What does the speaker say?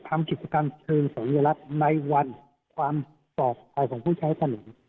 ทำกิจกรรมเชิงสนุนในวันความตอบภัยของผู้ใช้สนุน